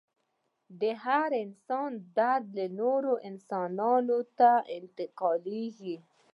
د هر انسان درد نورو انسانانو ته انتقالیږي.